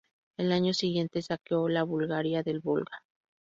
Al año siguiente saqueó la Bulgaria del Volga.